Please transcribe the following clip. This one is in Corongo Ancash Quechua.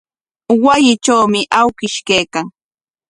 Wasitrawmi awkish kaykan.